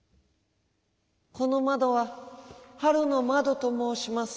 「このまどははるのまどともうします」。